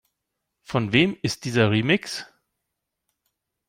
Von wem ist dieser Remix?